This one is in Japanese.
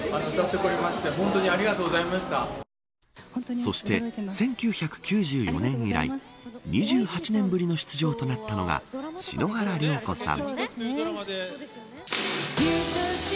そして、１９９４年以来２８年ぶりの出場となったのが篠原涼子さん。